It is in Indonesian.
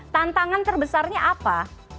tantangan terbesarnya apa